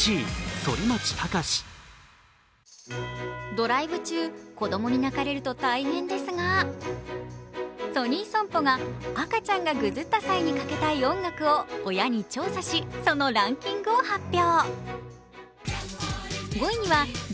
ドライブ中、子供に泣かれると大変ですが、ソニー損保が赤ちゃんがぐずった際にかけたい音楽を親に調査し、そのランキングを発表。